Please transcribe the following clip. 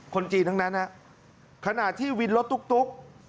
คนจีนทั้งนั้นขณะที่วินรถตุ๊ก